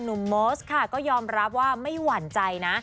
โมสค่ะก็ยอมรับว่าไม่หวั่นใจนะ